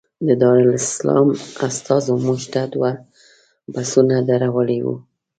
د دارالسلام استازو موږ ته دوه لوی بسونه درولي وو.